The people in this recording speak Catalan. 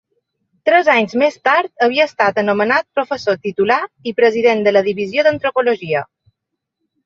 Tres anys més tard havia estat nomenat professor titular i President de la Divisió d'Antropologia.